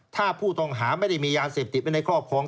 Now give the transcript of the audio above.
ถ้าผู้ต้องหาไม่ได้มียาเสพติดไว้ในครอบครอง